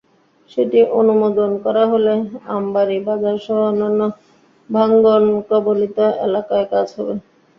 সেটি অনুমোদন করা হলে আমবাড়ি বাজারসহ অন্যান্য ভাঙনকবলিত এলাকায় কাজ হবে।